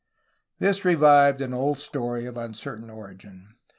This revived an old story of uncertain origin.